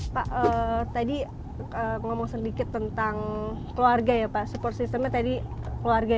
pak tadi ngomong sedikit tentang keluarga ya pak support systemnya tadi keluarga